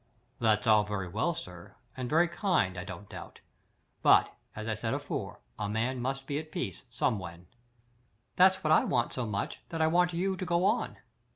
"That's all very well, sir, and very kind, I don't doubt; but, as I said afore, a man must be at peace SOMEWHEN." "That's what I want so much that I want you to go on.